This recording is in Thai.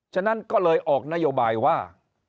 ฉะนั้นก็เลยออกนโยบายว่า